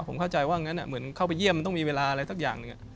ผมเข้าใจว่างั้นเหมือนเข้าไปเยี่ยมมันต้องมีเวลาอะไรสักอย่างหนึ่ง